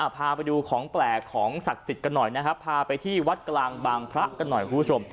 พาไปดูของแปลกของศักดิ์สิทธิ์กันหน่อยนะครับพาไปที่วัดกลางบางพระกันหน่อยคุณผู้ชม